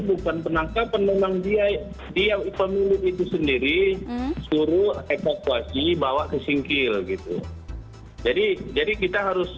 bukan penangkap penemang dia dia itu sendiri suruh efek kuasi bawa ke singkil gitu jadi jadi kita harus